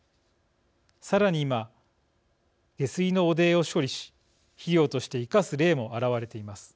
さらに今下水の汚泥を処理し肥料として生かす例も現れています。